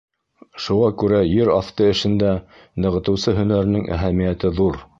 Шуға күрә ер аҫты эшендә нығытыусы һөнәренең әһәмиәте ҙур.